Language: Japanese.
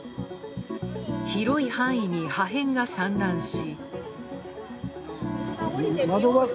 広い範囲に破片が散乱し。